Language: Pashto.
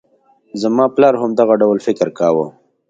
زما پلار هم دغه ډول فکر کاوه.